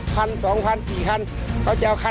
ปร้อมประโยชน์